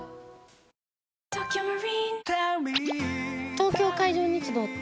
東京海上日動って？